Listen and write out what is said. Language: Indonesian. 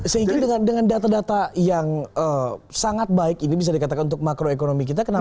saya ingin dengan data data yang sangat baik ini bisa dikatakan untuk makroekonomi kita kenapa